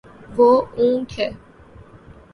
وہ اونٹ ہے